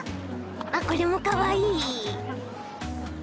あっこれもかわいい。